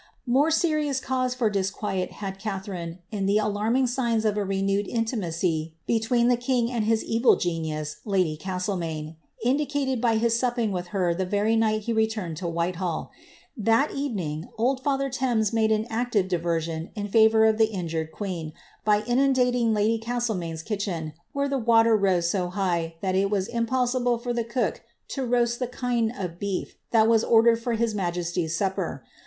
More serious cause for disquiet had Catharine in the alarming sigm of a renewed intimacy between the king and his evil genius, lady Castle maine, indicated by his supping with her the very night he returned to Whitehall. That evening old father Thames made an active diversion in favour of the injured queen, by inundating my lady Castlemaine^ kitchen, where the water rose so high that it was impossible for the cook to roast the chine of beef that was ordered for his majesty^ supper.